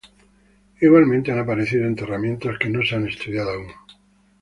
Igualmente han aparecido enterramientos que no se han estudiado aún.